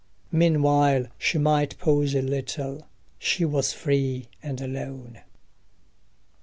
Meanwhile she might pause a little. She was free and alone.